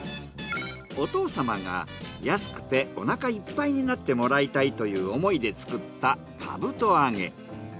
お父様が安くてお腹いっぱいになってもらいたいという思いで作ったかぶと揚げ。